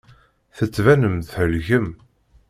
Tettbinem-d thelkem.